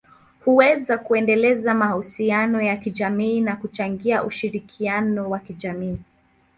huweza kuendeleza mahusiano ya kijamii na kuchangia ushirikiano wa kijamii.